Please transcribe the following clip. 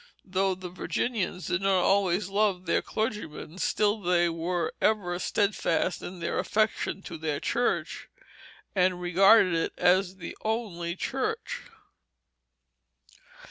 Though the Virginians did not always love their clergymen, still they were ever steadfast in their affection to their church, and regarded it as the only church.